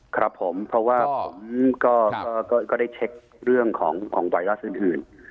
ครับผมเพราะว่าผมก็ได้เช็คเรื่องของไวรัสอื่น